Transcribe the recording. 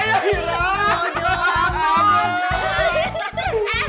makanya yuk lari lari deh kamu kekauan